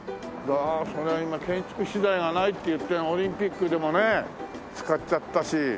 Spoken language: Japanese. それが今建築資材がないっていってオリンピックでもね使っちゃったし。